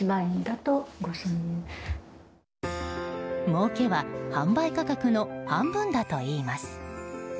もうけは販売価格の半分だといいます。